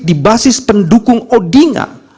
di basis pendukung odingan